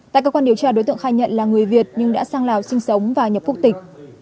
tại cơ quan điều tra đối tượng khai nhận là người việt nhưng đã sang lào sinh sống và nhập quốc tịch